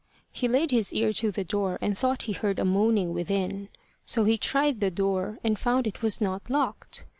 He laid his ear to the door, and thought he heard a moaning within. So he tried the door, and found it was not locked!